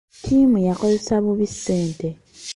Ttiimu yakozesa bubi ssente.